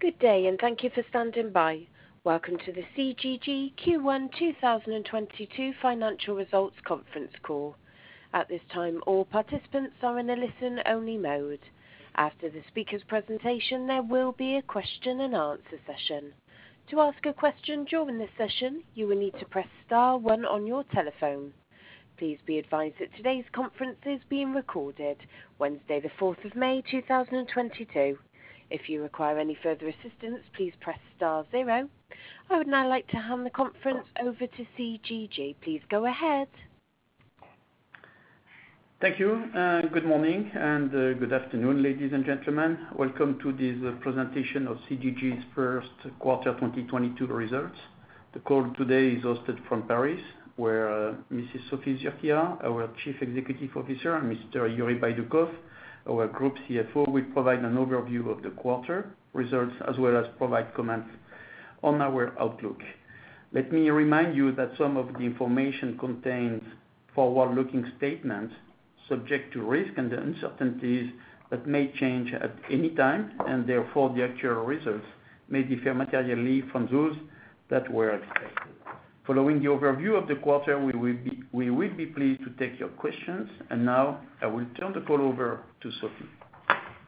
Good day, and thank you for standing by. Welcome to the CGG Q1 2022 financial results conference call. At this time, all participants are in a listen-only mode. After the speaker's presentation, there will be a question and answer session. To ask a question during this session, you will need to press star one on your telephone. Please be advised that today's conference is being recorded, Wednesday, the 4th of May, 2022. If you require any further assistance, please press star zero. I would now like to hand the conference over to CGG. Please go ahead. Thank you. Good morning and good afternoon, ladies and gentlemen. Welcome to this presentation of CGG's first quarter 2022 results. The call today is hosted from Paris, where Mrs. Sophie Zurquiyah, our Chief Executive Officer, and Mr. Yuri Baidoukov, our Group CFO, will provide an overview of the quarter results, as well as provide comments on our outlook. Let me remind you that some of the information contains forward-looking statements subject to risk and uncertainties that may change at any time, and therefore the actual results may differ materially from those that were expected. Following the overview of the quarter, we will be pleased to take your questions. Now I will turn the call over to Sophie.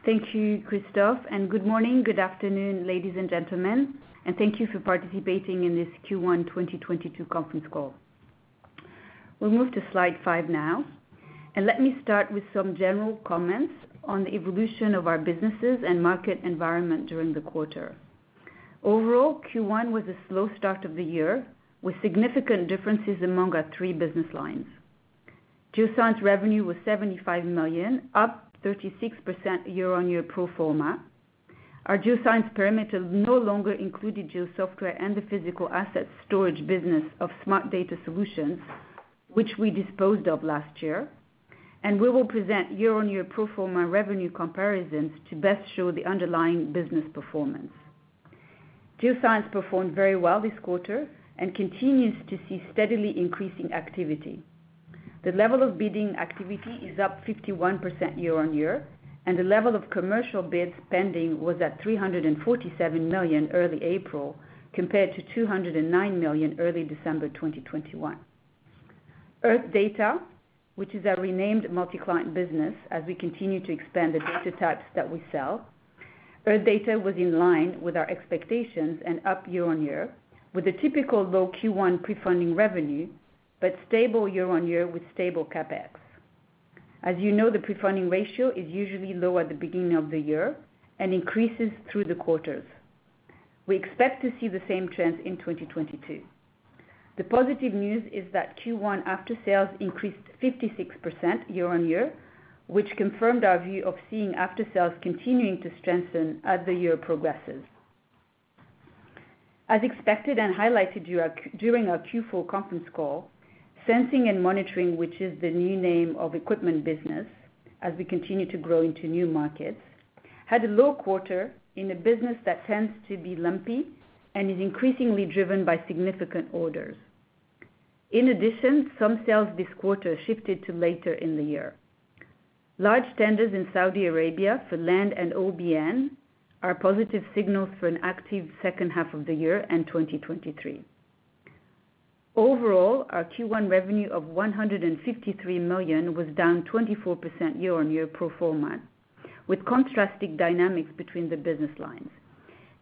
Thank you, Christophe, and good morning, good afternoon, ladies and gentlemen. Thank you for participating in this Q1 2022 conference call. We'll move to slide 5 now, and let me start with some general comments on the evolution of our businesses and market environment during the quarter. Overall, Q1 was a slow start of the year, with significant differences among our three business lines. Geoscience revenue was $75 million, up 36% year-on-year pro forma. Our Geoscience perimeter no longer included GeoSoftware and the physical asset storage business of Smart Data Solutions, which we disposed of last year, and we will present year-on-year pro forma revenue comparisons to best show the underlying business performance. Geoscience performed very well this quarter and continues to see steadily increasing activity. The level of bidding activity is up 51% year-on-year, and the level of commercial bid spending was at $347 million early April, compared to $209 million early December 2021. Earth Data, which is our renamed multi-client business, as we continue to expand the data types that we sell. Earth Data was in line with our expectations and up year-on-year, with a typical low Q1 prefunding revenue, but stable year-on-year with stable CapEx. As you know, the prefunding ratio is usually low at the beginning of the year and increases through the quarters. We expect to see the same trends in 2022. The positive news is that Q1 after-sales increased 56% year-on-year, which confirmed our view of seeing after-sales continuing to strengthen as the year progresses. As expected and highlighted during our Q4 conference call, Sensing & Monitoring, which is the new name of equipment business as we continue to grow into new markets, had a low quarter in a business that tends to be lumpy and is increasingly driven by significant orders. In addition, some sales this quarter shifted to later in the year. Large tenders in Saudi Arabia for land and OBN are positive signals for an active second half of the year and 2023. Overall, our Q1 revenue of $153 million was down 24% year-on-year pro forma, with contrasting dynamics between the business lines.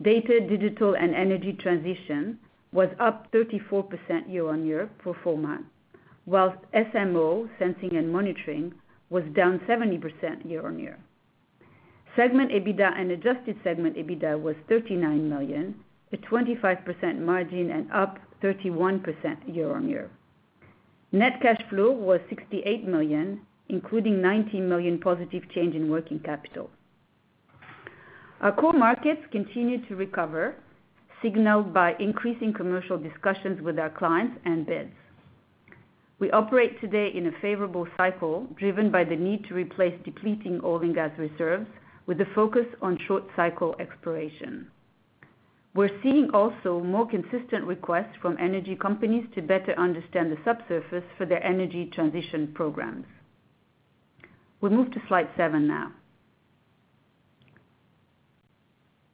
Data, Digital, and Energy Transition was up 34% year-on-year pro forma, while SMO, Sensing & Monitoring, was down 70% year-on-year. Segment EBITDA and adjusted segment EBITDA was $39 million, a 25% margin and up 31% year-on-year. Net cash flow was 68 million, including 19 million positive change in working capital. Our core markets continue to recover, signaled by increasing commercial discussions with our clients and bids. We operate today in a favorable cycle driven by the need to replace depleting oil and gas reserves with a focus on short cycle exploration. We're seeing also more consistent requests from energy companies to better understand the subsurface for their energy transition programs. We move to slide seven now.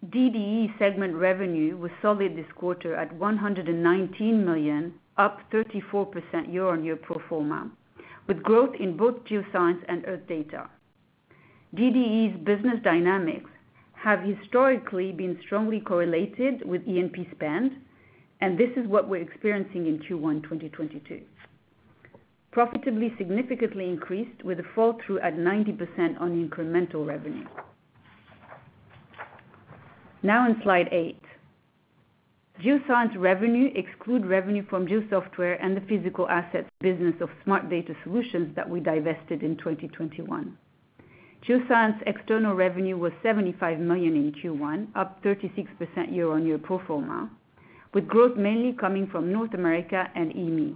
DDE segment revenue was solid this quarter at 119 million, up 34% year-on-year pro forma, with growth in both Geoscience and Earth Data. DDE's business dynamics have historically been strongly correlated with E&P spend, and this is what we're experiencing in Q1 2022. Profitability significantly increased with a flow-through at 90% on incremental revenue. Now on slide eight. Geoscience revenue excludes revenue from GeoSoftware and the physical assets business of Smart Data Solutions that we divested in 2021. Geoscience external revenue was $75 million in Q1, up 36% year-on-year pro forma, with growth mainly coming from North America and EMEA.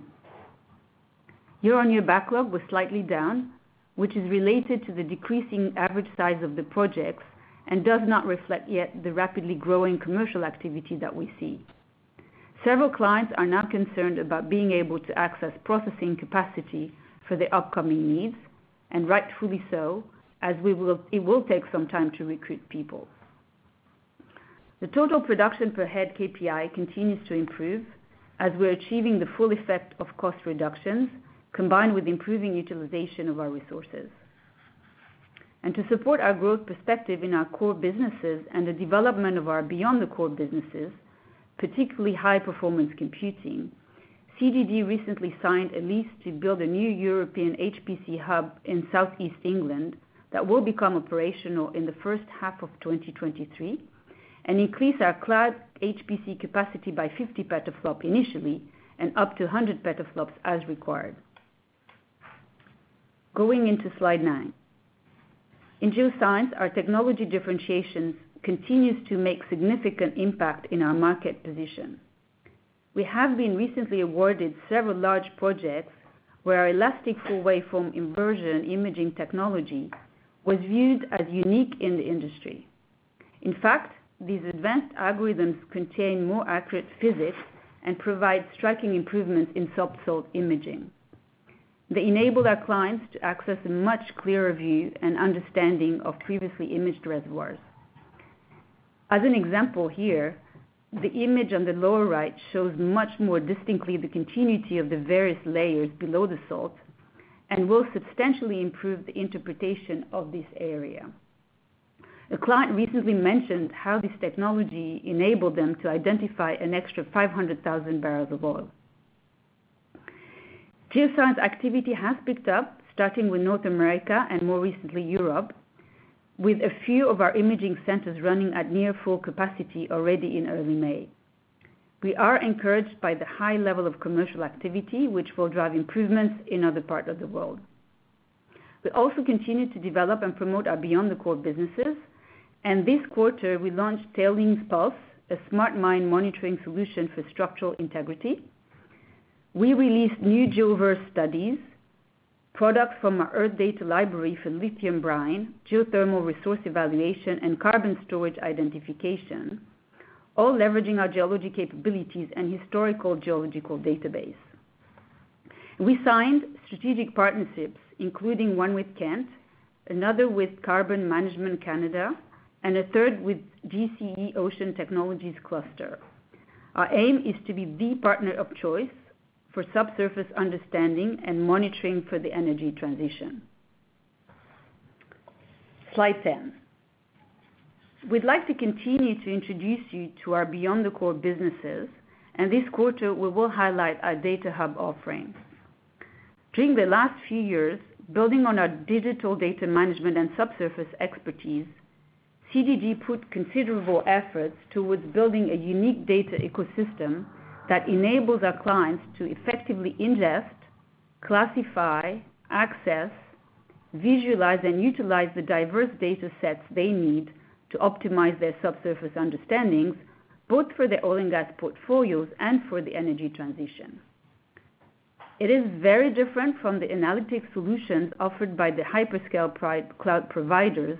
Year-on-year backlog was slightly down, which is related to the decreasing average size of the projects and does not reflect yet the rapidly growing commercial activity that we see. Several clients are now concerned about being able to access processing capacity for the upcoming needs, and rightfully so, as it will take some time to recruit people. The total production per head KPI continues to improve as we're achieving the full effect of cost reductions, combined with improving utilization of our resources. To support our growth perspective in our core businesses and the development of our beyond the core businesses, particularly high performance computing, CGG recently signed a lease to build a new European HPC hub in Southeast England that will become operational in the first half of 2023, and increase our cloud HPC capacity by 50 petaflop initially, and up to 100 petaflops as required. Going into slide 9. In geoscience, our technology differentiations continues to make significant impact in our market position. We have been recently awarded several large projects where our elastic full-waveform inversion imaging technology was viewed as unique in the industry. In fact, these advanced algorithms contain more accurate physics and provide striking improvements in subsalt imaging. They enable our clients to access a much clearer view and understanding of previously imaged reservoirs. As an example here, the image on the lower right shows much more distinctly the continuity of the various layers below the salt and will substantially improve the interpretation of this area. A client recently mentioned how this technology enabled them to identify an extra 500,000 barrels of oil. Geoscience activity has picked up, starting with North America and more recently Europe, with a few of our imaging centers running at near full capacity already in early May. We are encouraged by the high level of commercial activity, which will drive improvements in other parts of the world. We also continue to develop and promote our beyond the core businesses, and this quarter we launched TailingsPulse, a smart mine monitoring solution for structural integrity. We released new GeoVerse studies, products from our Earth data library for lithium brine, geothermal resource evaluation, and carbon storage identification, all leveraging our geology capabilities and historical geological database. We signed strategic partnerships, including one with Kent, another with Carbon Management Canada, and a third with GCE Ocean Technology. Our aim is to be the partner of choice for subsurface understanding and monitoring for the energy transition. Slide ten. We'd like to continue to introduce you to our beyond the core businesses and this quarter, we will highlight our Data Hub offerings. During the last few years, building on our digital data management and subsurface expertise, CGG put considerable efforts towards building a unique data ecosystem that enables our clients to effectively ingest, classify, access, visualize, and utilize the diverse datasets they need to optimize their subsurface understandings, both for their oil and gas portfolios and for the energy transition. It is very different from the analytic solutions offered by the hyperscale cloud providers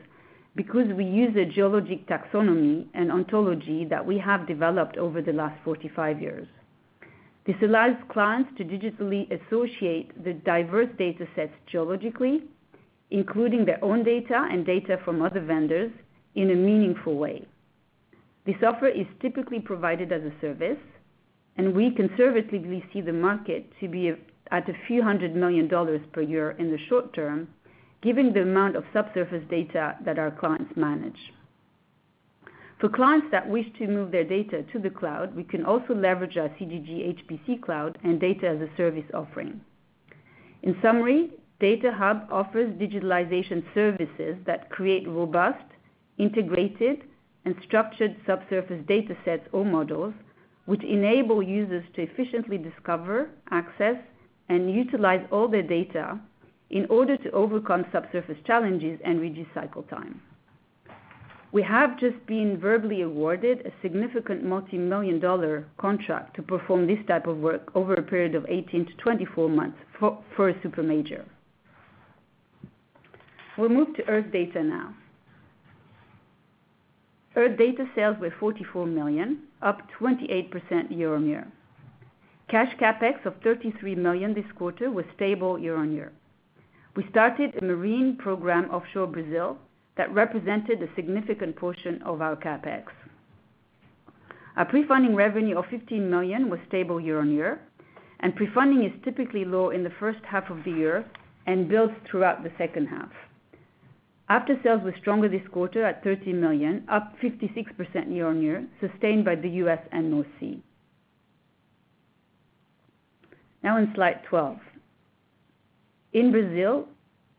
because we use a geologic taxonomy and ontology that we have developed over the last 45 years. This allows clients to digitally associate the diverse datasets geologically, including their own data and data from other vendors in a meaningful way. This offer is typically provided as a service, and we conservatively see the market to be at a few hundred million dollars per year in the short term, given the amount of subsurface data that our clients manage. For clients that wish to move their data to the cloud, we can also leverage our CGG HPC cloud and Data as a Service offering. In summary, Data Hub offers digitalization services that create robust, integrated, and structured subsurface datasets or models, which enable users to efficiently discover, access, and utilize all their data in order to overcome subsurface challenges and reduce cycle time. We have just been verbally awarded a significant multimillion-dollar contract to perform this type of work over a period of 18-24 months for a super major. We'll move to Earth Data now. Earth Data sales were $44 million, up 28% year-on-year. Cash CapEx of $33 million this quarter was stable year-over-year. We started a marine program offshore Brazil that represented a significant portion of our CapEx. Our prefunding revenue of $15 million was stable year-over-year, and prefunding is typically low in the first half of the year and builds throughout the second half. After-sales was stronger this quarter at $13 million, up 56% year-over-year, sustained by the US and North Sea. Now on slide 12. In Brazil,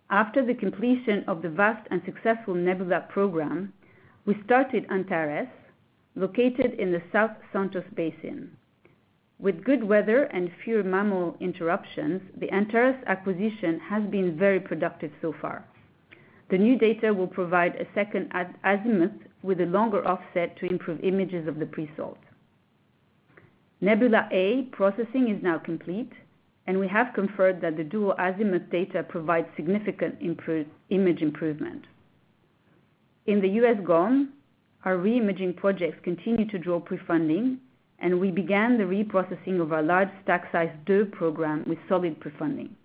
after the completion of the vast and successful Nebula program, we started Antares, located in the South Santos Basin. With good weather and fewer mammal interruptions, the Antares acquisition has been very productive so far. The new data will provide a second dual-azimuth with a longer offset to improve images of the pre-salt. Nebula processing is now complete, and we have confirmed that the dual-azimuth data provides significant image improvement. In the U.S. Gulf, our re-imaging projects continue to draw pre-funding, and we began the reprocessing of our large StagSeis 2 program with solid pre-funding.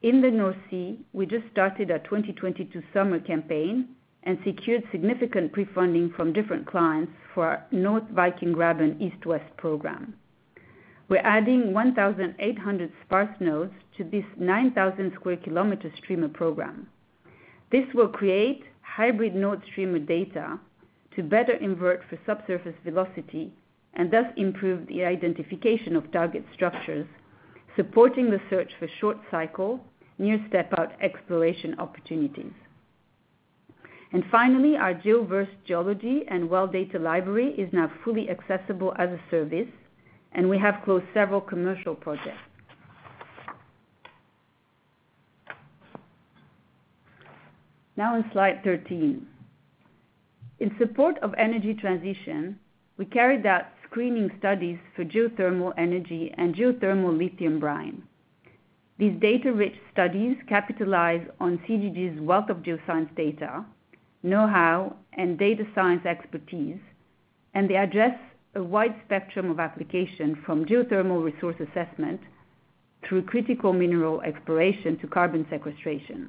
In the North Sea, we just started our 2022 summer campaign and secured significant pre-funding from different clients for North Viking Graben East-West program. We're adding 1,800 sparse nodes to this 9,000 sq km streamer program. This will create hybrid node-streamer data to better invert for subsurface velocity and thus improve the identification of target structures, supporting the search for short cycle, new step-out exploration opportunities. Finally, our GeoVerse geology and well data library is now fully accessible as a service, and we have closed several commercial projects. Now on slide 13. In support of energy transition, we carried out screening studies for geothermal energy and geothermal lithium brine. These data-rich studies capitalize on CGG's wealth of geoscience data, know-how, and data science expertise, and they address a wide spectrum of application from geothermal resource assessment through critical mineral exploration to carbon sequestration.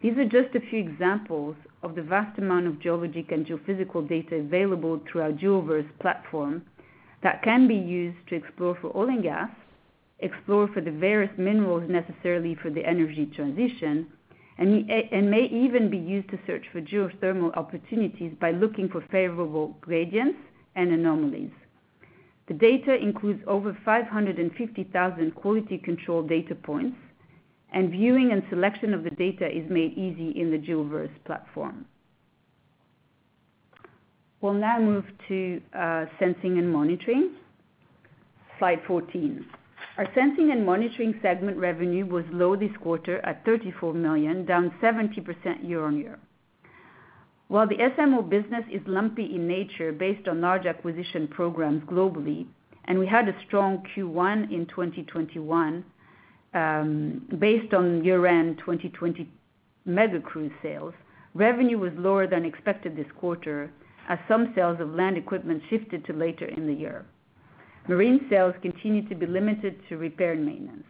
These are just a few examples of the vast amount of geologic and geophysical data available through our GeoVerse platform that can be used to explore for oil and gas, explore for the various minerals necessarily for the energy transition, and may even be used to search for geothermal opportunities by looking for favorable gradients and anomalies. The data includes over 550,000 quality control data points, and viewing and selection of the data is made easy in the GeoVerse platform. We'll now move to Sensing & Monitoring. Slide 14. Our Sensing & Monitoring segment revenue was low this quarter at $34 million, down 70% year-on-year. While the SMO business is lumpy in nature based on large acquisition programs globally, and we had a strong Q1 in 2021, based on year-end 2020 mega-crew sales, revenue was lower than expected this quarter as some sales of land equipment shifted to later in the year. Marine sales continue to be limited to repair and maintenance.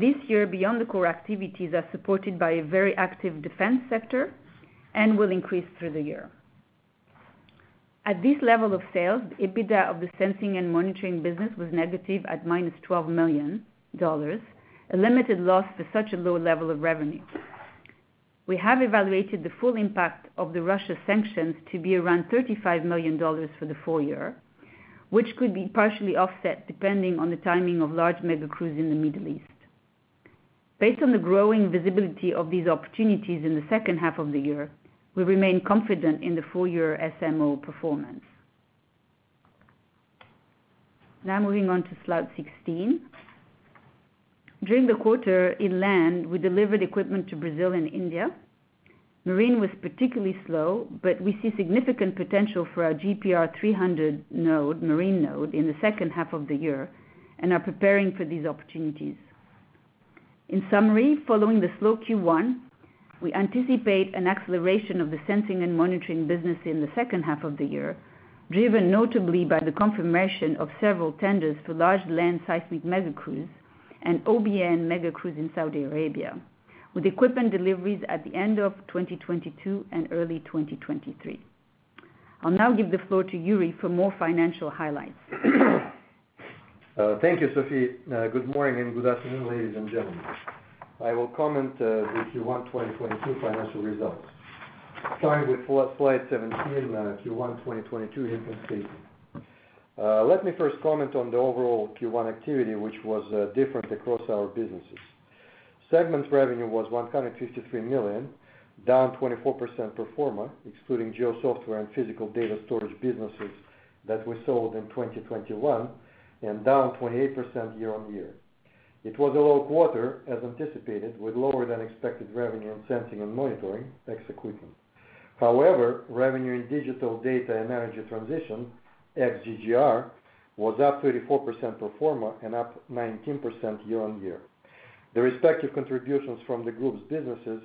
This year, beyond the core activities are supported by a very active defense sector and will increase through the year. At this level of sales, the EBITDA of the Sensing & Monitoring business was negative at minus $12 million, a limited loss for such a low level of revenue. We have evaluated the full impact of the Russia sanctions to be around $35 million for the full year, which could be partially offset depending on the timing of large mega-crews in the Middle East. Based on the growing visibility of these opportunities in the second half of the year, we remain confident in the full year SMO performance. Now moving on to slide 16. During the quarter in land, we delivered equipment to Brazil and India. Marine was particularly slow, but we see significant potential for our GPR300 node, marine node in the second half of the year and are preparing for these opportunities. In summary, following the slow Q1, we anticipate an acceleration of the Sensing and Monitoring business in the second half of the year, driven notably by the confirmation of several tenders for large land seismic mega-crews and OBN mega-crews in Saudi Arabia, with equipment deliveries at the end of 2022 and early 2023. I'll now give the floor to Yuri for more financial highlights. Thank you, Sophie. Good morning and good afternoon, ladies and gentlemen. I will comment the Q1 2022 financial results. Starting with slide 17, Q1 2022 income statement. Let me first comment on the overall Q1 activity, which was different across our businesses. Segments revenue was $153 million, down 24% pro forma, excluding GeoSoftware and physical data storage businesses that we sold in 2021 and down 28% year-on-year. It was a low quarter as anticipated with lower than expected revenue in Sensing & Monitoring ex-Equipment. However, revenue in digital data and energy transition at GGR was up 34% pro forma and up 19% year-on-year. The respective contributions from the group's businesses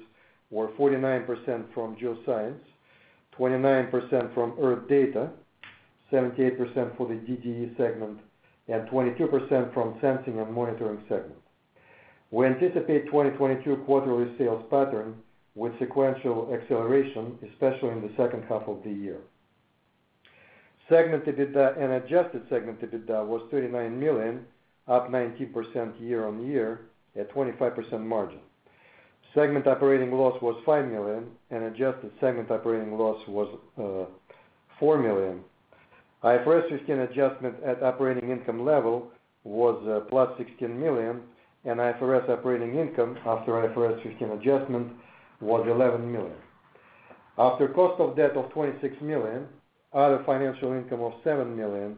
were 49% from Geoscience, 29% from Earth Data, 78% for the DDE segment, and 22% from Sensing & Monitoring segment. We anticipate 2022 quarterly sales pattern with sequential acceleration, especially in the second half of the year. Segment EBITDA and adjusted segment EBITDA was $39 million, up 19% year-over-year at 25% margin. Segment operating loss was $5 million and adjusted segment operating loss was four million. IFRS 15 adjustment at operating income level was plus $16 million, and IFRS operating income after IFRS 15 adjustment was $11 million. After cost of debt of $26 million, other financial income of $7 million,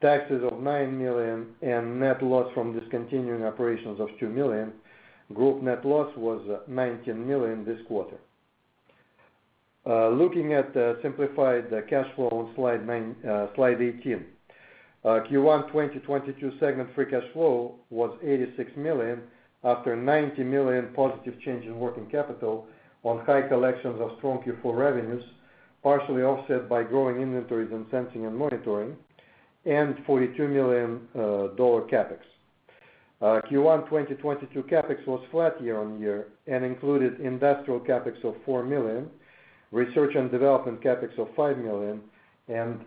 taxes of $9 million, and net loss from discontinuing operations of $2 million, group net loss was $19 million this quarter. Looking at the simplified cash flow on slide eighteen. Q1 2022 segment free cash flow was $86 million, after $90 million positive change in working capital on high collections of strong Q4 revenues, partially offset by growing inventories in sensing and monitoring, and $42 million CapEx. Q1 2022 CapEx was flat year-on-year and included industrial CapEx of $4 million, research and development CapEx of $5 million, and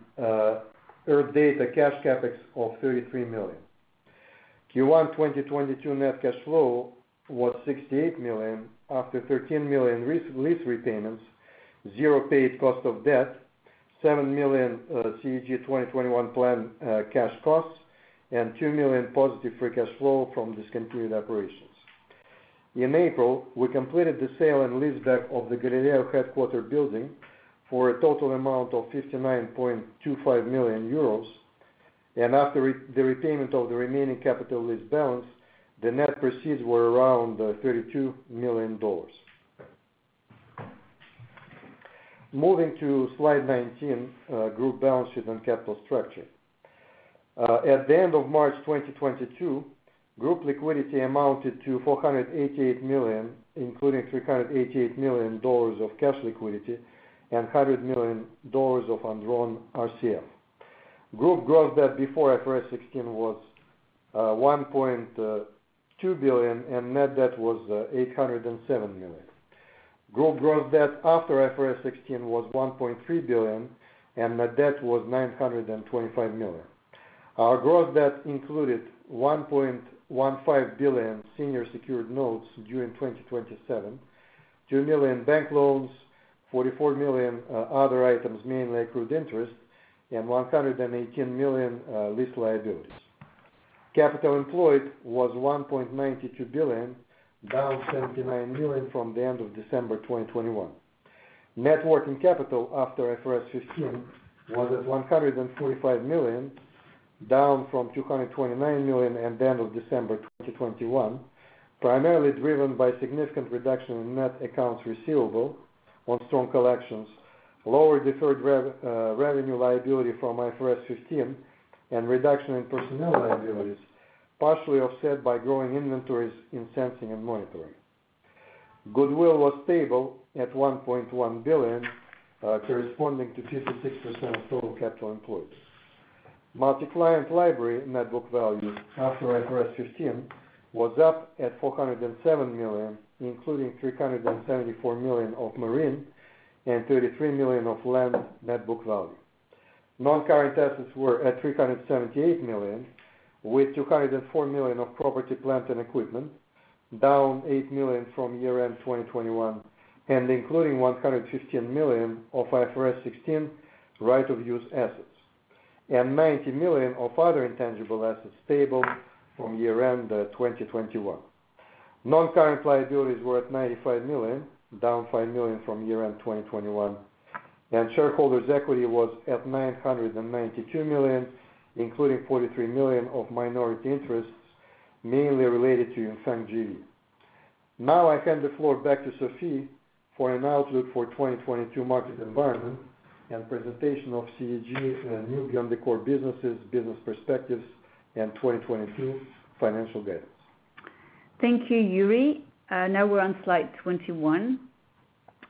Earth Data cash CapEx of $33 million. Q1 2022 net cash flow was $68 million after $13 million re-lease repayments, $0 paid cost of debt, $7 million CGG 2021 plan cash costs, and $2 million positive free cash flow from discontinued operations. In April, we completed the sale and leaseback of the Galileo headquarters building for a total amount of 59.25 million euros. After the repayment of the remaining capital lease balance, the net proceeds were around $32 million. Moving to slide 19, group balance sheet and capital structure. At the end of March 2022, group liquidity amounted to $488 million, including $388 million of cash liquidity and $100 million of undrawn RCF. Group gross debt before IFRS 16 was $1.2 billion, and net debt was $807 million. Group gross debt after IFRS 16 was 1.3 billion, and net debt was 925 million. Our gross debt included 1.15 billion senior secured notes due in 2027, 2 million bank loans, 44 million other items, mainly accrued interest, and 118 million lease liabilities. Capital employed was 1.92 billion, down 79 million from the end of December 2021. Net working capital after IFRS 16 was at 145 million, down from 229 million at the end of December 2021, primarily driven by significant reduction in net accounts receivable on strong collections, lower deferred revenue liability from IFRS 15, and reduction in personnel liabilities, partially offset by growing inventories in Sensing and Monitoring. Goodwill was stable at 1.1 billion, corresponding to 56% of total capital employed. Multi-client library net book value after IFRS 15 was up at 407 million, including 374 million of marine and 33 million of land net book value. Non-current assets were at 378 million, with 204 million of property, plant, and equipment, down 8 million from year-end 2021, and including 115 million of IFRS 16 right of use assets, and 90 million of other intangible assets, stable from year-end 2021. Non-current liabilities were at 95 million, down 5 million from year-end 2021. Shareholders' equity was at 992 million, including 43 million of minority interests, mainly related to InfraGéo. Now I hand the floor back to Sophie for an outlook for 2022 market environment and presentation of CGG's and new beyond the core businesses, business perspectives and 2022 financial guidance. Thank you, Yuri. Now we're on slide 21.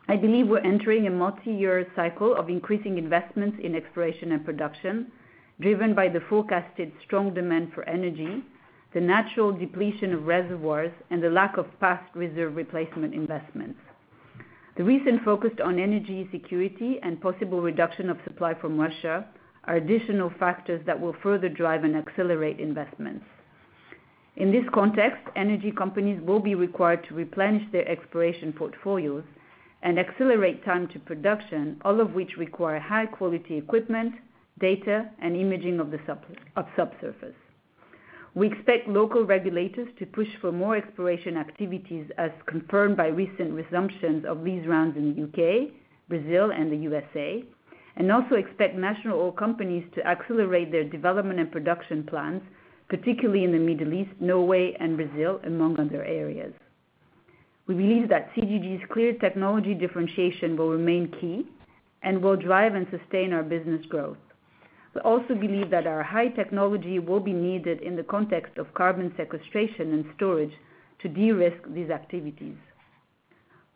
I believe we're entering a multi-year cycle of increasing investments in exploration and production, driven by the forecasted strong demand for energy, the natural depletion of reservoirs, and the lack of past reserve replacement investments. The recent focus on energy security and possible reduction of supply from Russia are additional factors that will further drive and accelerate investments. In this context, energy companies will be required to replenish their exploration portfolios and accelerate time to production, all of which require high quality equipment, data, and imaging of the subsurface. We expect local regulators to push for more exploration activities as confirmed by recent resumptions of these rounds in the UK, Brazil, and the USA, and also expect national oil companies to accelerate their development and production plans, particularly in the Middle East, Norway, and Brazil, among other areas. We believe that CGG's clear technology differentiation will remain key and will drive and sustain our business growth. We also believe that our high technology will be needed in the context of carbon sequestration and storage to de-risk these activities.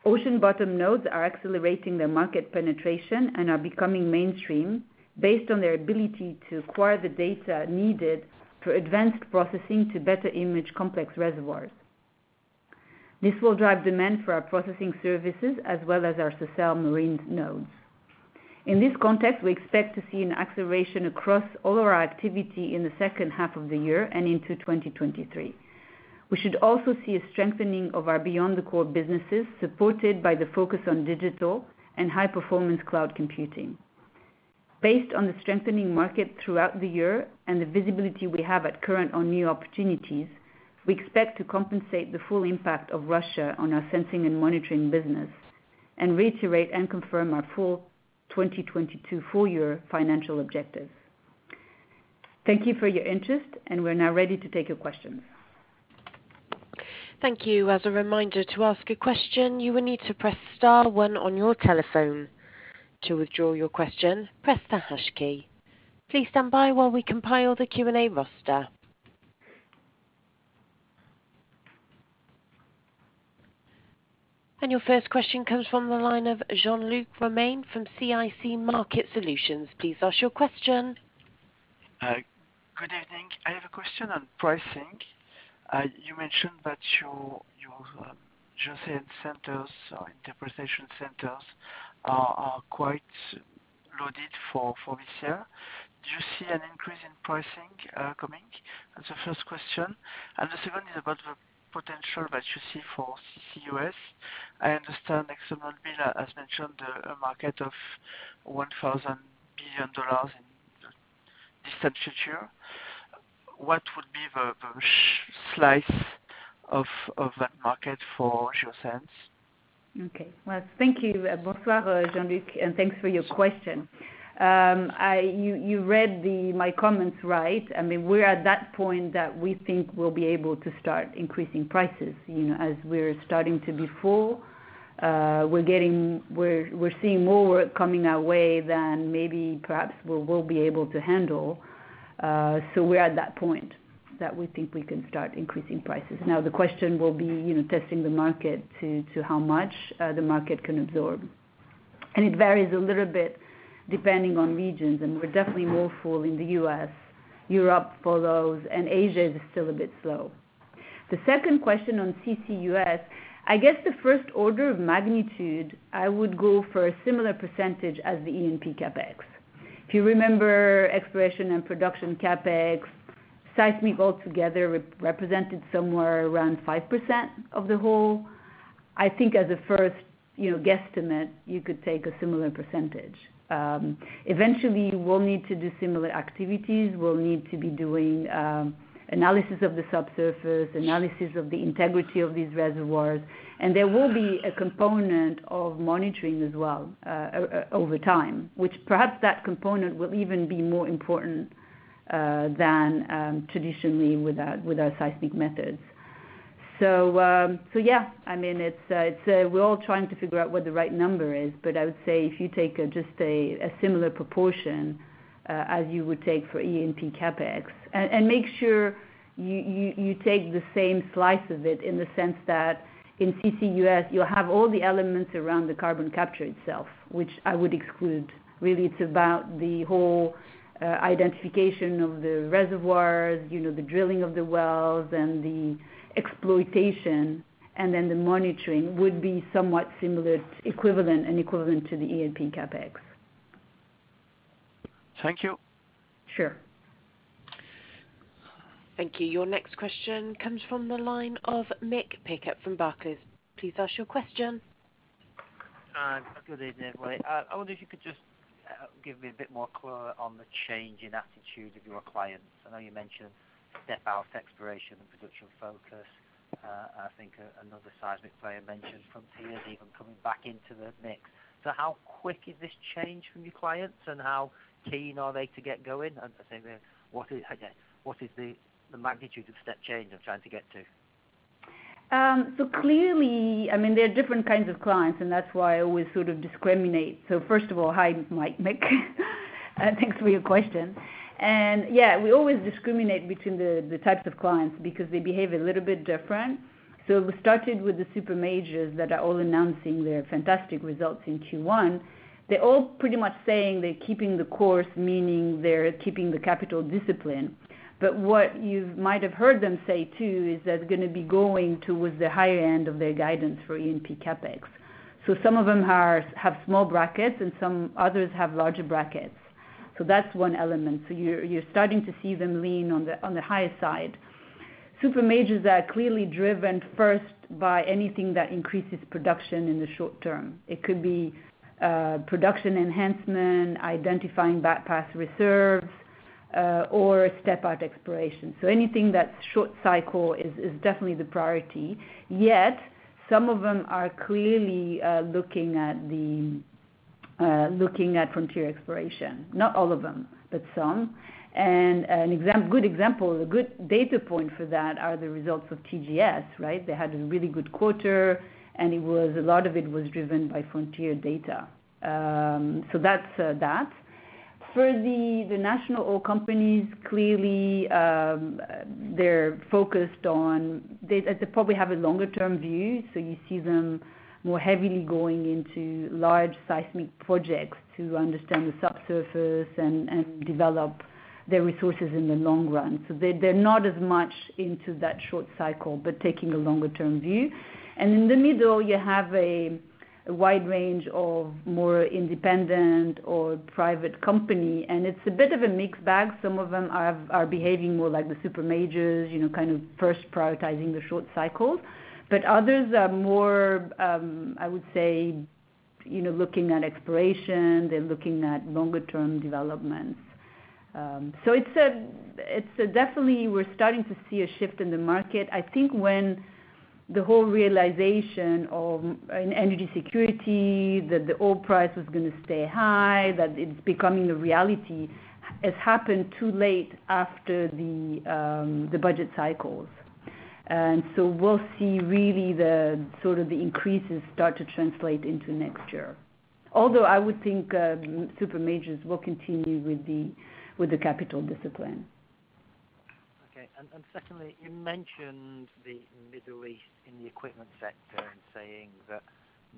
Ocean bottom nodes are accelerating their market penetration and are becoming mainstream based on their ability to acquire the data needed for advanced processing to better image complex reservoirs. This will drive demand for our processing services as well as our Sercel marine nodes. In this context, we expect to see an acceleration across all our activity in the second half of the year and into 2023. We should also see a strengthening of our beyond the core businesses, supported by the focus on digital and high-performance cloud computing. Based on the strengthening market throughout the year and the visibility we have currently on new opportunities, we expect to compensate the full impact of Russia on our Sensing & Monitoring business and reiterate and confirm our full 2022 full-year financial objective. Thank you for your interest, and we're now ready to take your questions. Thank you. As a reminder, to ask a question, you will need to press star one on your telephone. To withdraw your question, press the hash key. Please stand by while we compile the Q&A roster. Your first question comes from the line of Jean-Luc Romain from CIC Market Solutions. Please ask your question. Good evening. I have a question on pricing. You mentioned that your Geoscience centers or interpretation centers are quite loaded for this year. Do you see an increase in pricing coming? That's the first question. The second is about the potential that you see for CCUS. I understand ExxonMobil has mentioned a market of $1 trillion in this century. What would be the slice of that market for Geoscience? Okay. Well, thank you, Jean-Luc Romain, and thanks for your question. You read my comments right. I mean, we're at that point that we think we'll be able to start increasing prices, you know. As we're starting to be full, we're seeing more work coming our way than maybe perhaps we will be able to handle. So we're at that point that we think we can start increasing prices. Now, the question will be, you know, testing the market to how much the market can absorb. It varies a little bit depending on regions, and we're definitely more full in the US, Europe follows, and Asia is still a bit slow. The second question on CCUS, I guess the first order of magnitude, I would go for a similar percentage as the E&P CapEx. If you remember, exploration and production CapEx, seismic altogether represented somewhere around 5% of the whole. I think as a first, you know, guesstimate, you could take a similar percentage. Eventually, we'll need to do similar activities. We'll need to be doing analysis of the subsurface, analysis of the integrity of these reservoirs. There will be a component of monitoring as well, over time, which perhaps that component will even be more important than traditionally with our seismic methods. Yeah. I mean, we're all trying to figure out what the right number is. I would say if you take just a similar proportion as you would take for E&P CapEx. Make sure you take the same slice of it in the sense that in CCUS, you have all the elements around the carbon capture itself, which I would exclude. Really, it's about the whole identification of the reservoirs, you know, the drilling of the wells and the exploitation, and then the monitoring would be somewhat similar, equivalent to the E&P CapEx. Thank you. Sure. Thank you. Your next question comes from the line of Mick Pickup from Barclays. Please ask your question. Good evening. I wonder if you could just give me a bit more color on the change in attitude of your clients. I know you mentioned step out exploration and production focus. I think another seismic player mentioned frontiers even coming back into the mix. How quick is this change from your clients, and how keen are they to get going? I think what is, I guess, the magnitude of step change I'm trying to get to? Clearly, I mean, there are different kinds of clients, and that's why I always sort of discriminate. First of all, hi, Mick. Thanks for your question. Yeah, we always discriminate between the types of clients because they behave a little bit different. We started with the super majors that are all announcing their fantastic results in Q1. They're all pretty much saying they're keeping the course, meaning they're keeping the capital discipline. What you might have heard them say, too, is that it's gonna be going towards the higher end of their guidance for E&P CapEx. Some of them have small brackets, and some others have larger brackets. That's one element. You're starting to see them lean on the higher side. Super majors are clearly driven first by anything that increases production in the short term. It could be production enhancement, identifying bypass reserves, or step-out exploration. Anything that's short cycle is definitely the priority. Yet, some of them are clearly looking at frontier exploration. Not all of them, but some. Good example, a good data point for that are the results of TGS, right? They had a really good quarter, and a lot of it was driven by frontier data. That's that. For the national oil companies, clearly, they're focused on. They probably have a longer term view. You see them more heavily going into large seismic projects to understand the subsurface and develop their resources in the long run. They're not as much into that short cycle, but taking a longer term view. In the middle, you have a wide range of more independent or private company, and it's a bit of a mixed bag. Some of them are behaving more like the super majors, you know, kind of first prioritizing the short cycle. But others are more, I would say, you know, looking at exploration, they're looking at longer term developments. It's definitely we're starting to see a shift in the market. I think when the whole realization of an energy security, that the oil price is gonna stay high, that it's becoming a reality. It's happened too late after the budget cycles. We'll see really the sort of increases start to translate into next year. Although I would think, super majors will continue with the capital discipline. Okay. Secondly, you mentioned the Middle East in the equipment sector and saying that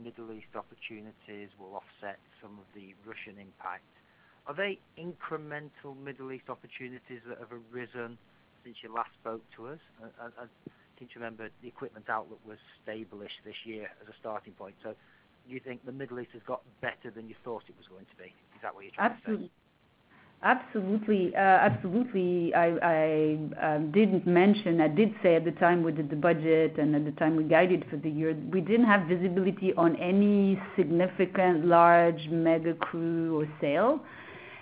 Middle East opportunities will offset some of the Russian impact. Are they incremental Middle East opportunities that have arisen since you last spoke to us? I can't remember the equipment outlook was established this year as a starting point. Do you think the Middle East has got better than you thought it was going to be? Is that what you're trying to say? Absolutely. I didn't mention. I did say at the time we did the budget and at the time we guided for the year, we didn't have visibility on any significant large mega crew or sale.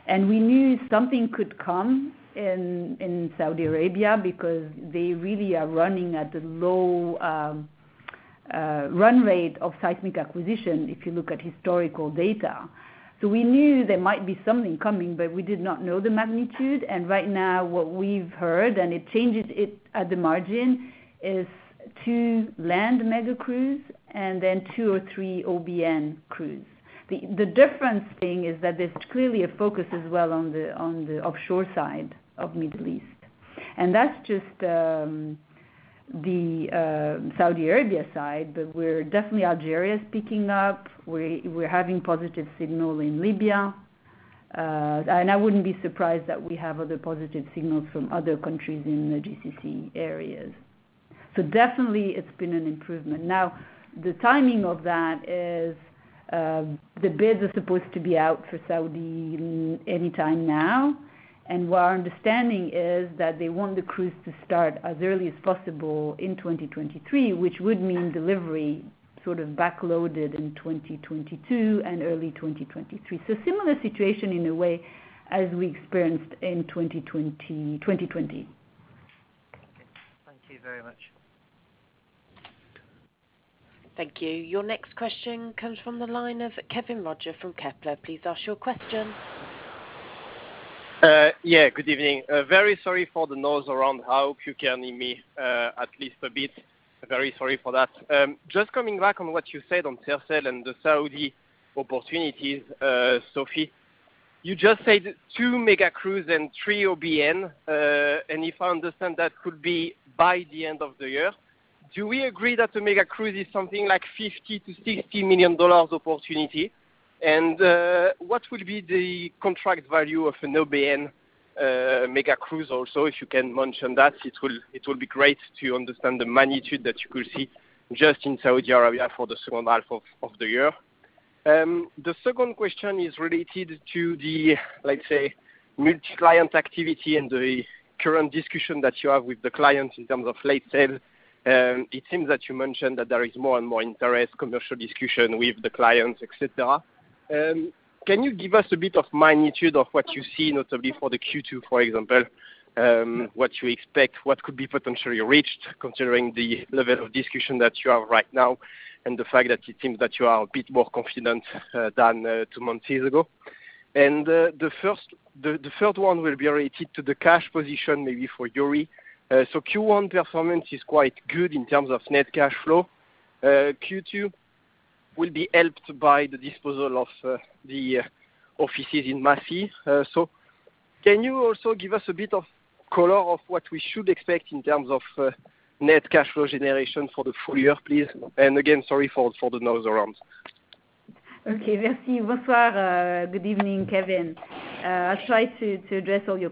We knew something could come in in Saudi Arabia because they really are running at a low run rate of seismic acquisition, if you look at historical data. We knew there might be something coming, but we did not know the magnitude. Right now what we've heard, and it changes it at the margin, is two land mega crews and then two or three OBN crews. The different thing is that there's clearly a focus as well on the offshore side of Middle East. That's just the Saudi Arabia side. Definitely Algeria is picking up. We're having positive signal in Libya. I wouldn't be surprised that we have other positive signals from other countries in the GCC areas. Definitely it's been an improvement. Now, the timing of that is, the bids are supposed to be out for Saudi anytime now. What our understanding is that they want the crews to start as early as possible in 2023, which would mean delivery sort of backloaded in 2022 and early 2023. Similar situation in a way as we experienced in 2020. Okay. Thank you very much. Thank you. Your next question comes from the line of Kevin Roger from Kepler. Please ask your question. Yeah, good evening. Very sorry for the noise around. I hope you can hear me at least a bit. Very sorry for that. Just coming back on what you said on Sercel and the Saudi opportunities, Sophie, you just said two mega-crews and three OBN. And if I understand that could be by the end of the year. Do we agree that the mega-crew is something like $50 million-$60 million opportunity? What will be the contract value of an OBN mega-crew? Also, if you can mention that, it will be great to understand the magnitude that you could see just in Saudi Arabia for the second half of the year. The second question is related to the, let's say, multi-client activity and the current discussion that you have with the clients in terms of late sale. It seems that you mentioned that there is more and more interest, commercial discussion with the clients, et cetera. Can you give us a bit of magnitude of what you see, notably for the Q2, for example, what you expect, what could be potentially reached considering the level of discussion that you have right now, and the fact that it seems that you are a bit more confident than two months ago. The third one will be related to the cash position, maybe for Yuri. Q1 performance is quite good in terms of net cash flow. Q2 will be helped by the disposal of the offices in Massy. Can you also give us a bit of color on what we should expect in terms of net cash flow generation for the full year, please? Again, sorry for the noise around. Okay. Merci. Bonsoir. Good evening, Kevin. I'll try to address all your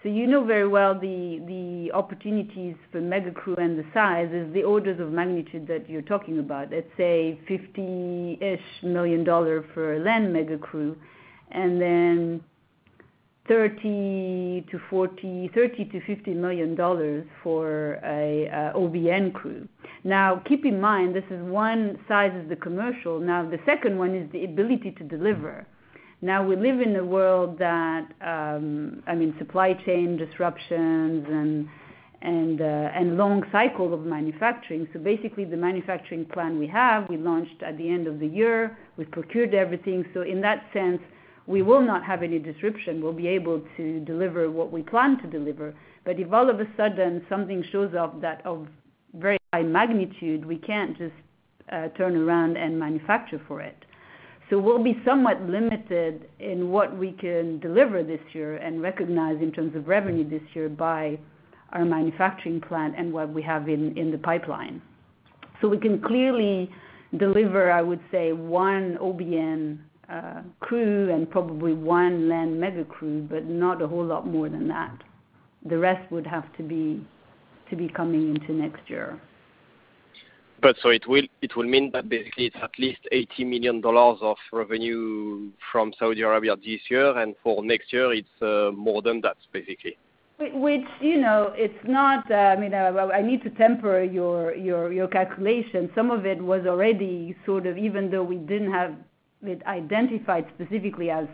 question. You know very well the opportunities for mega-crew and the size is the orders of magnitude that you're talking about. Let's say $50-ish million for land mega-crew, and then $30-$50 million for a OBN crew. Now, keep in mind, this is one size of the commercial. Now, the second one is the ability to deliver. Now, we live in a world that, I mean, supply chain disruptions and long cycles of manufacturing. Basically the manufacturing plan we have, we launched at the end of the year. We procured everything. In that sense, we will not have any disruption. We'll be able to deliver what we plan to deliver. If all of a sudden something shows up that's of very high magnitude, we can't just turn around and manufacture for it. We'll be somewhat limited in what we can deliver this year and recognize in terms of revenue this year by our manufacturing plan and what we have in the pipeline. We can clearly deliver, I would say, one OBN crew and probably one land mega-crew, but not a whole lot more than that. The rest would have to be coming into next year. It will mean that basically it's at least $80 million of revenue from Saudi Arabia this year, and for next year it's more than that, basically. Which, you know, it's not. I mean, I need to temper your calculation. Some of it was already sort of even though we didn't have it identified specifically as,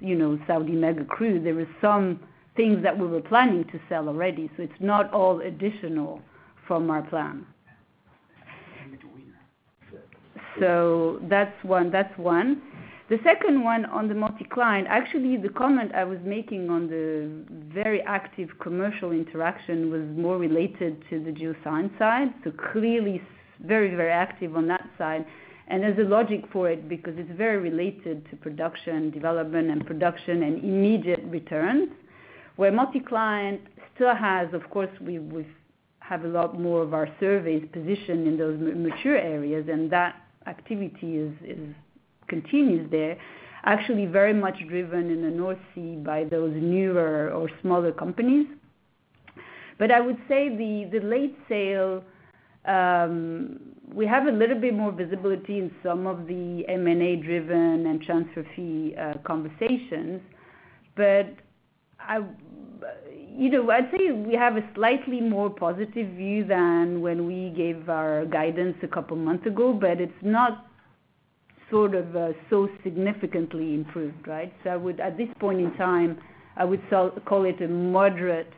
you know, Saudi mega-crew, there were some things that we were planning to sell already. It's not all additional from our plan. That's one. The second one on the multi-client, actually, the comment I was making on the very active commercial interaction was more related to the Geoscience side. Clearly very, very active on that side. There's a logic for it because it's very related to production development and production and immediate returns. Where multi-client still has. Of course, we have a lot more of our surveys positioned in those mature areas, and that activity continues there, actually very much driven in the North Sea by those newer or smaller companies. I would say the late sale, we have a little bit more visibility in some of the M&A-driven and transfer fee conversations. You know, I'd say we have a slightly more positive view than when we gave our guidance a couple of months ago, but it's not sort of so significantly improved, right? At this point in time, I would call it a moderate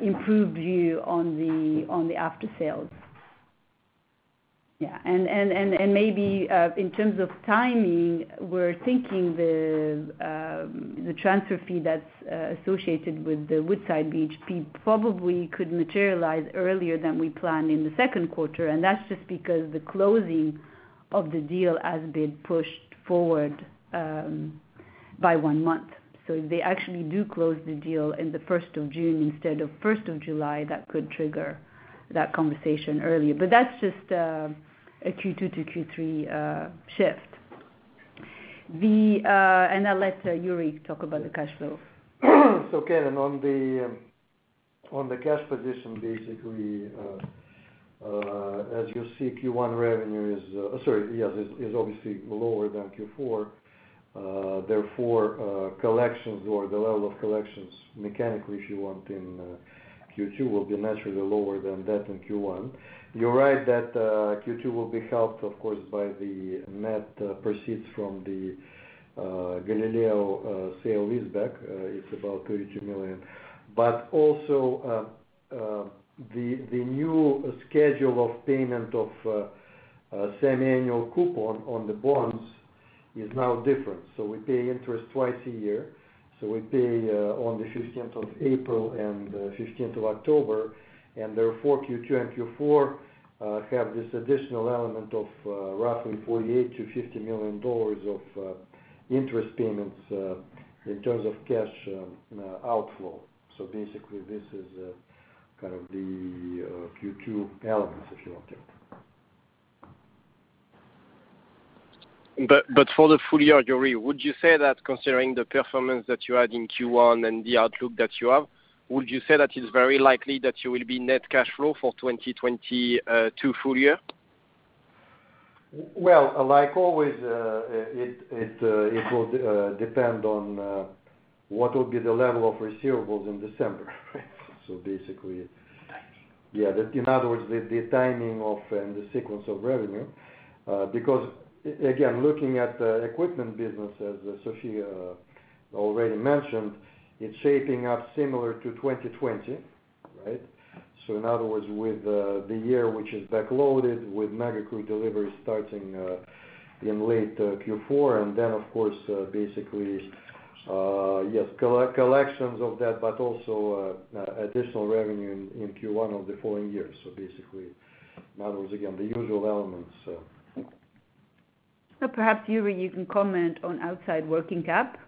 improved view on the after-sales. Yeah. Maybe in terms of timing, we're thinking the transfer fee that's associated with the Woodside BHP probably could materialize earlier than we planned in the second quarter, and that's just because the closing of the deal has been pushed forward by one month. If they actually do close the deal in the first of June instead of first of July, that could trigger that conversation earlier. That's just a Q2 to Q3 shift. I'll let Yuri talk about the cash flow. Kevin, on the cash position, basically, as you see Q1 revenue is obviously lower than Q4. Therefore, collections or the level of collections, mechanically if you want, in Q2 will be naturally lower than that in Q1. You're right that Q2 will be helped, of course, by the net proceeds from the Galileo sale withback. It's about $32 million. Also, the new schedule of payment of semiannual coupon on the bonds is now different. We pay interest twice a year. We pay on the fifteenth of April and fifteenth of October. Therefore, Q2 and Q4 have this additional element of roughly $48 million-$50 million of interest payments in terms of cash outflow. Basically, this is kind of the Q2 elements, if you want to. For the full year, Yuri, would you say that considering the performance that you had in Q1 and the outlook that you have, would you say that it's very likely that you will be net cash flow for 2022 full year? Well, like always, it will depend on what will be the level of receivables in December, right? Basically. Timing. In other words, the timing of and the sequence of revenue. Because again, looking at the equipment business, as Sophie already mentioned, it's shaping up similar to 2020, right? In other words, with the year which is backloaded with mega crew delivery starting in late Q4. Then of course, basically, yes, collections of that, but also additional revenue in Q1 of the following year. Basically, in other words again, the usual elements. perhaps, Yuri, you can comment on outside working cap.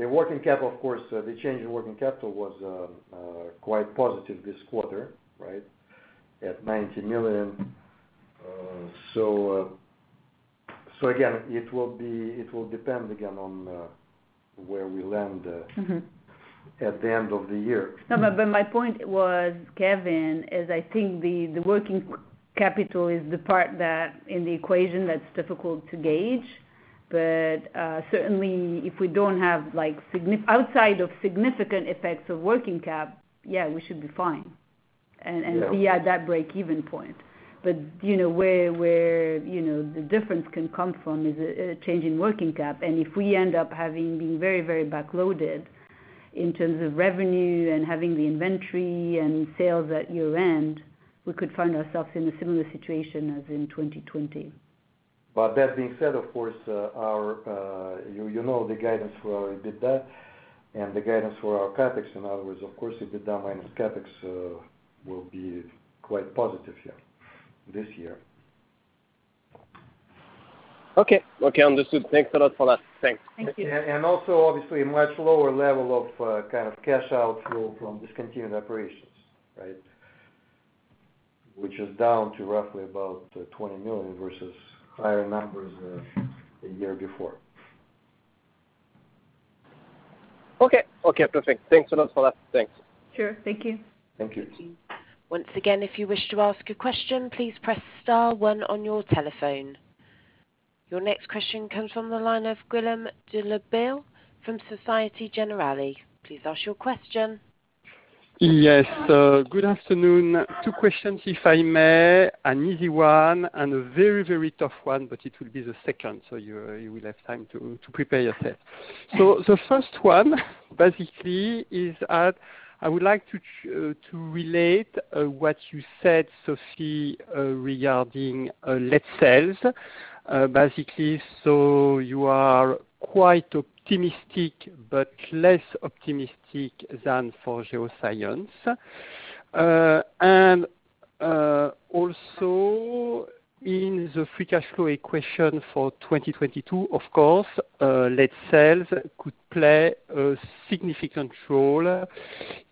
The working capital, of course, the change in working capital was quite positive this quarter, right, at $90 million. It will depend again on where we land. Mm-hmm. at the end of the year. No, but my point was, Kevin, is I think the working capital is the part in the equation that's difficult to gauge. Certainly if we don't have like outside of significant effects of working cap, yeah, we should be fine. Yeah. be at that break-even point. you know, where you know, the difference can come from is a change in working cap. if we end up having been very backloaded in terms of revenue and having the inventory and sales at year-end, we could find ourselves in a similar situation as in 2020. That being said, of course, you know, the guidance for our EBITDA and the guidance for our CapEx. In other words, of course, EBITDA minus CapEx will be quite positive, yeah, this year. Okay. Okay, understood. Thanks a lot, Sophie Zurquiyah. Thanks. Thank you. also, obviously, a much lower level of kind of cash outflow from discontinued operations, right? Which is down to roughly about $20 million versus higher numbers a year before. Okay. Okay, perfect. Thanks a lot, Sophie Zurquiyah. Thanks. Sure. Thank you. Thank you. Once again, if you wish to ask a question, please press star one on your telephone. Your next question comes from the line of Guillaume Delaby from Société Générale. Please ask your question. Yes. Good afternoon. Two questions if I may. An easy one and a very, very tough one, but it will be the second, so you will have time to prepare yourself. The first one basically is that I would like to relate what you said, Sophie, regarding late sales, basically. You are quite optimistic but less optimistic than for Geoscience. Also in the free cash flow equation for 2022, of course, late sales could play a significant role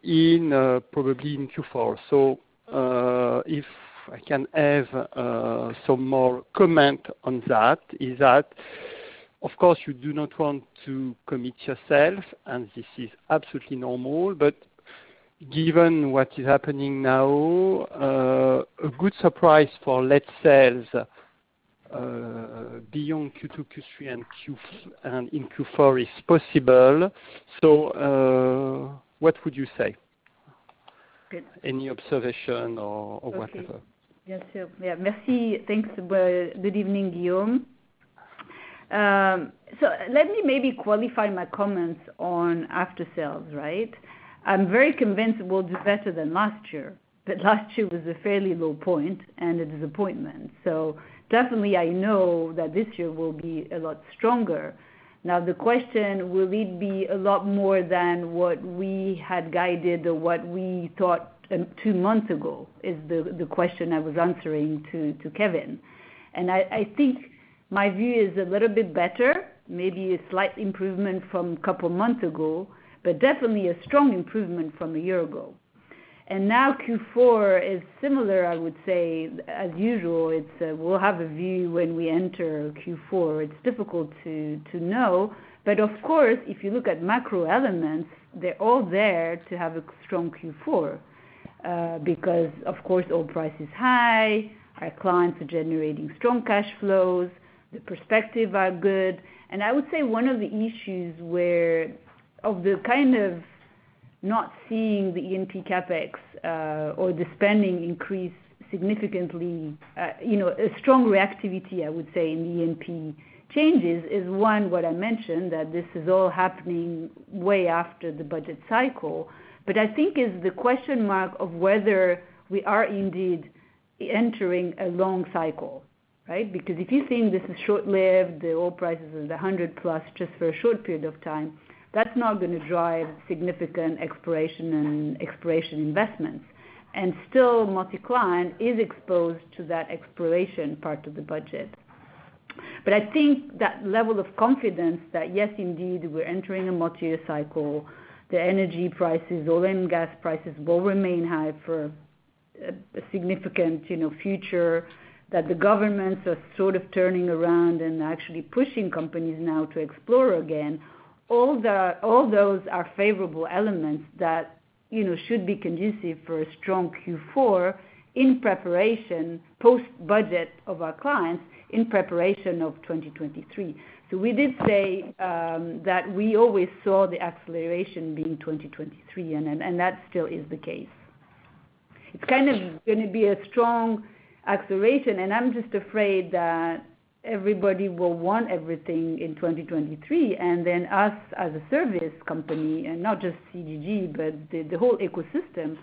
in, probably in Q4. If I can have some more comment on that is that of course you do not want to commit yourself, and this is absolutely normal. Given what is happening now, a good surprise for late sales beyond Q2, Q3 and in Q4 is possible. What would you say? Good. Any observation or whatever. Okay. Yes, sir. Yeah, merci. Thanks. Well, good evening, Guillaume. Let me maybe qualify my comments on after sales, right? I'm very convinced we'll do better than last year, but last year was a fairly low point and a disappointment. Definitely I know that this year will be a lot stronger. Now, the question, will it be a lot more than what we had guided or what we thought two months ago, is the question I was answering to Kevin. I think my view is a little bit better, maybe a slight improvement from couple months ago, but definitely a strong improvement from a year ago. Now Q4 is similar, I would say. As usual, it's we'll have a view when we enter Q4. It's difficult to know. Of course, if you look at macro elements, they're all there to have a strong Q4, because of course oil price is high, our clients are generating strong cash flows, the perspective are good. I would say one of the issues of the kind of not seeing the E&P CapEx, or the spending increase significantly, you know, a strong reactivity, I would say, in E&P changes is one, what I mentioned, that this is all happening way after the budget cycle. I think it is the question mark of whether we are indeed entering a long cycle, right? Because if you're seeing this is short-lived, the oil prices is 100+ just for a short period of time, that's not gonna drive significant exploration and exploration investments. Still, multi-client is exposed to that exploration part of the budget. I think that level of confidence that, yes indeed, we're entering a multi-year cycle, the energy prices, oil and gas prices will remain high for a significant, you know, future. That the governments are sort of turning around and actually pushing companies now to explore again. All those are favorable elements that, you know, should be conducive for a strong Q4 in preparation post-budget of our clients in preparation of 2023. We did say that we always saw the acceleration being 2023, and that still is the case. It's kind of gonna be a strong acceleration, and I'm just afraid that everybody will want everything in 2023. Then us as a service company, and not just CGG, but the whole ecosystem,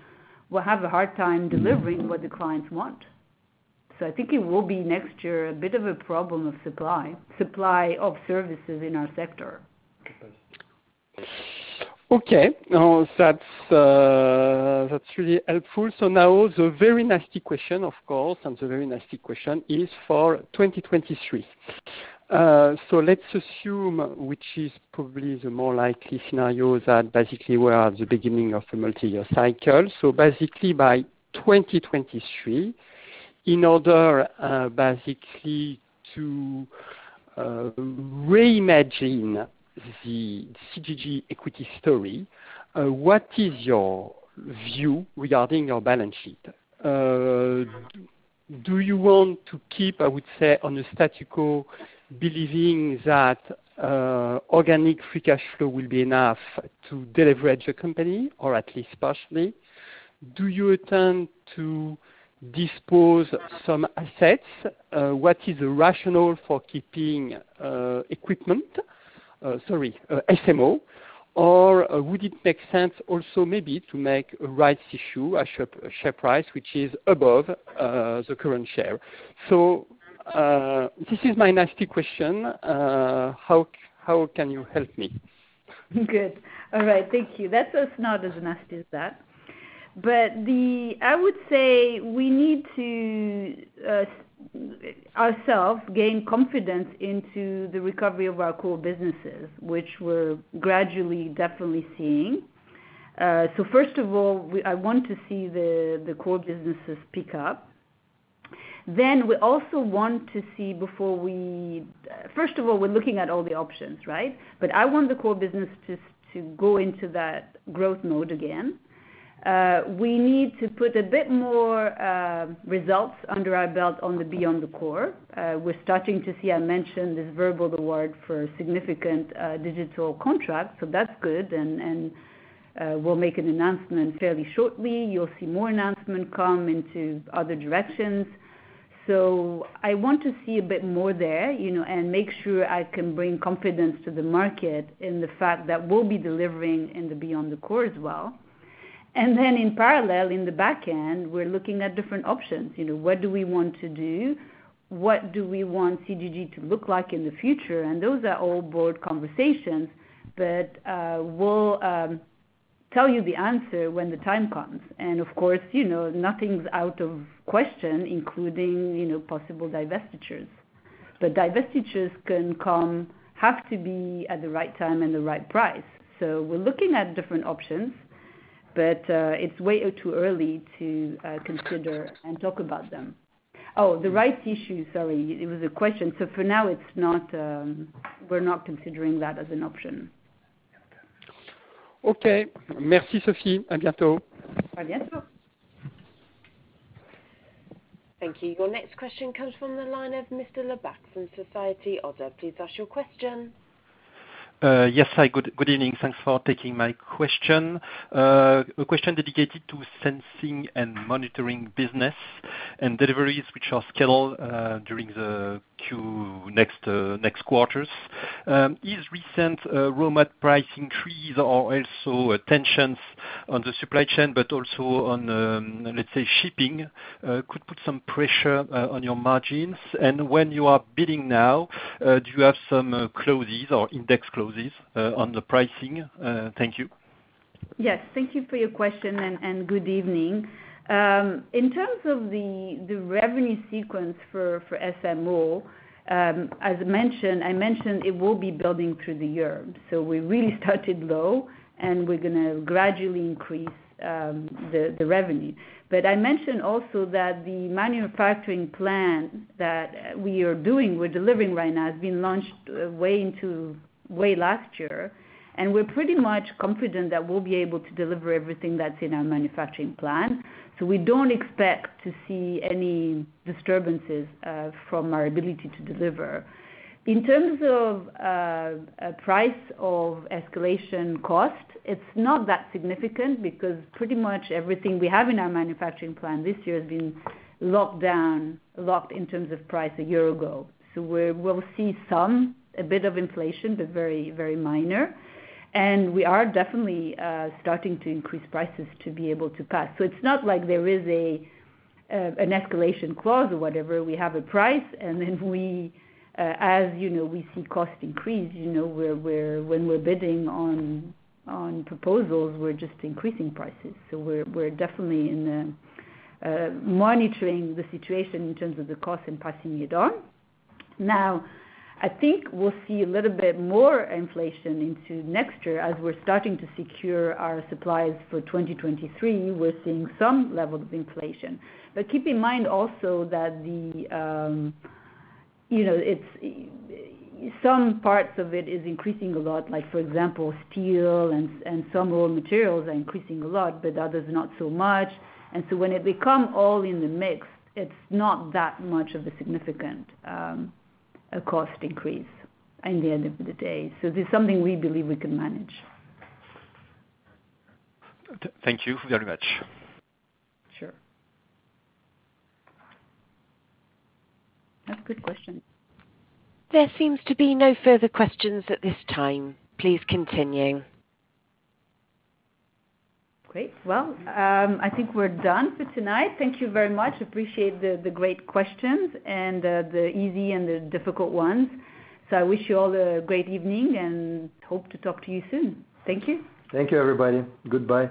will have a hard time delivering what the clients want. I think it will be next year a bit of a problem of supply of services in our sector. Okay. Now that's really helpful. Now the very nasty question, of course, and the very nasty question is for 2023. Let's assume, which is probably the more likely scenario, that basically we are at the beginning of a multi-year cycle. Basically by 2023, in order basically to reimagine the CGG equity story, what is your view regarding your balance sheet? Do you want to keep, I would say, on a status quo, believing that organic free cash flow will be enough to de-leverage the company, or at least partially? Do you intend to dispose some assets? What is the rationale for keeping equipment? Sorry, SMO. Or would it make sense also maybe to make a rights issue, a share price which is above the current share? This is my nasty question. How can you help me? Good. All right. Thank you. That's not as nasty as that. I would say we need to ourselves gain confidence into the recovery of our core businesses, which we're gradually definitely seeing. First of all, I want to see the core businesses pick up. First of all, we're looking at all the options, right? I want the core business to go into that growth mode again. We need to put a bit more results under our belt on beyond the core. We're starting to see. I mentioned this verbal award for a significant digital contract, so that's good. We'll make an announcement fairly shortly. You'll see more announcement come into other directions. I want to see a bit more there, you know, and make sure I can bring confidence to the market in the fact that we'll be delivering in the beyond the core as well. In parallel, in the back end, we're looking at different options. You know, what do we want to do? What do we want CGG to look like in the future? Those are all board conversations that we'll tell you the answer when the time comes. Of course, you know, nothing's out of question, including, you know, possible divestitures. Divestitures have to be at the right time and the right price. We're looking at different options, but it's way too early to consider and talk about them. Oh, the rights issue, sorry, it was a question. For now, it's not. We're not considering that as an option. Okay. Merci, Sophie. Thank you. Your next question comes from the line of Baptiste Lebacq from Société Générale. Please ask your question. Yes, hi, good evening. Thanks for taking my question. A question dedicated to Sensing & Monitoring business and deliveries which are scheduled during the next quarters. Recent raw material price increase or also tensions on the supply chain, but also on, let's say, shipping, could put some pressure on your margins? When you are bidding now, do you have some clauses or index clauses on the pricing? Thank you. Yes, thank you for your question and good evening. In terms of the revenue sequence for SMO, as mentioned, it will be building through the year. We really started low and we're gonna gradually increase the revenue. I mentioned also that the manufacturing plan that we are doing, we're delivering right now, has been launched way last year. We're pretty much confident that we'll be able to deliver everything that's in our manufacturing plan. We don't expect to see any disturbances from our ability to deliver. In terms of price escalation cost, it's not that significant because pretty much everything we have in our manufacturing plan this year has been locked down, locked in terms of price a year ago. We'll see some a bit of inflation, but very, very minor. We are definitely starting to increase prices to be able to pass. It's not like there is a an escalation clause or whatever. We have a price, and then we, as you know, we see cost increase, you know, we're when we're bidding on proposals, we're just increasing prices. We're definitely monitoring the situation in terms of the cost and passing it on. Now, I think we'll see a little bit more inflation into next year as we're starting to secure our supplies for 2023, we're seeing some level of inflation. Keep in mind also that the, you know, it's some parts of it is increasing a lot, like for example, steel and some raw materials are increasing a lot, but others not so much. When it become all in the mix, it's not that much of a significant cost increase in the end of the day. This is something we believe we can manage. Thank you very much. Sure. That's a good question. There seems to be no further questions at this time. Please continue. Great. Well, I think we're done for tonight. Thank you very much. Appreciate the great questions and the easy and the difficult ones. I wish you all a great evening and hope to talk to you soon. Thank you. Thank you, everybody. Goodbye.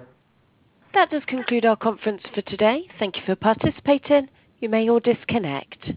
That does conclude our conference for today. Thank you for participating. You may all disconnect.